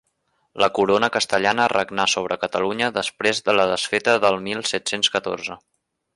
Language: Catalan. La corona castellana regnà sobre Catalunya després de la desfeta del mil set-cents catorze.